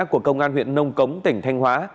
của công an huyện nông cống tỉnh thanh hóa